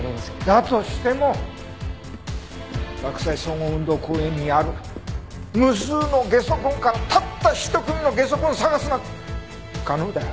だとしても洛西総合運動公園にある無数のゲソ痕からたった一組のゲソ痕を捜すなんて不可能だよ。